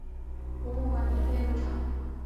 博物馆免费入场。